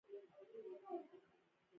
ښي خوا راتاو شه